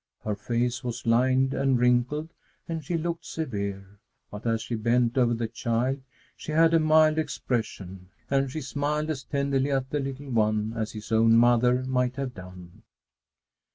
Her face was lined and wrinkled and she looked severe. But, as she bent over the child, she had a mild expression and she smiled as tenderly at the little one as his own mother might have done.